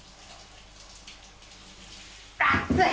・熱い！